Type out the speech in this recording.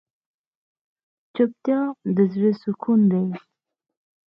چوپتیا، د زړه سکون دی.